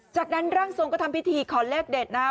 จากนั้นร่างทรงก็ทำพิธีขอเลขเด็ดนะครับ